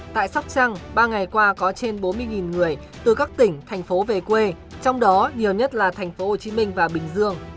tại sóc trăng ba ngày qua có trên bốn mươi người từ các tỉnh thành phố về quê trong đó nhiều nhất là tp hcm và bình dương